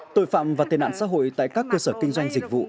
tội phạm và tên nạn xã hội tại các cơ sở kinh doanh dịch vụ